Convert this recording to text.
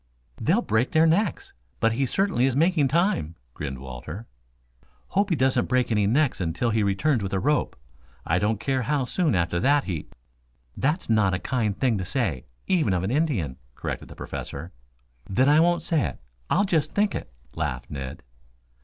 "They'll break their necks. But he certainly is making time," grinned Walter. "Hope he doesn't break any necks until he returns with a rope. I don't care how soon after that he " "That's not a kind thing to say, even of an Indian," corrected the Professor. "Then I won't say it. I'll just think it," laughed Ned.